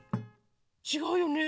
ちがうよね。